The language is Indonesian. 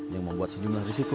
yang membuat sejumlah risiko